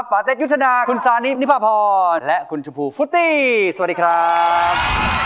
ปาเตฤร์ด์ลุธานาคคุณสาณีตร์นิพพาพรและคุณชอบพุฟุติสวัสดีครับ